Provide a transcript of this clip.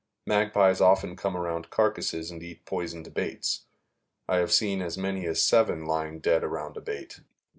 Magpies often come around carcasses and eat poisoned baits. I have seen as many as seven lying dead around a bait.